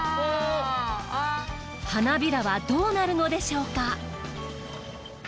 花びらはどうなるのでしょうか？